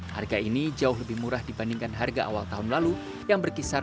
harga ini jauh lebih murah dibandingkan harga awal tahun lalu yang berkisar